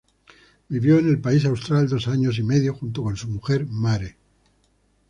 Vivió en el país austral dos años y medio, junto con su mujer, Marie.